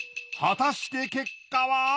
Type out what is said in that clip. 果たして結果は！？